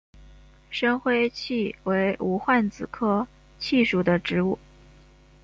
深灰槭为无患子科槭属的植物。